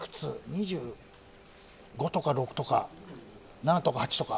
２５とか２６とか７とか８とか。